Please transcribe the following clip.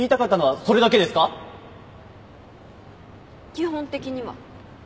基本的には。